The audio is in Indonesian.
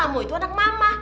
kamu itu anak mama